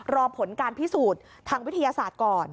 รอผลการพิสูจน์ทางวิทยาศาสตร์ก่อน